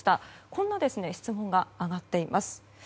こんな質問が挙がっています。